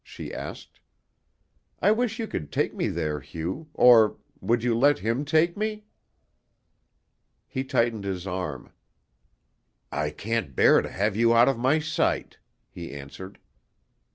she asked. "I wish you could take me there, Hugh, or would you let him take me?" He tightened his arm. "I can't bear to have you out of my sight," he answered.